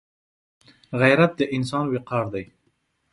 غیرت د انسان وقار دی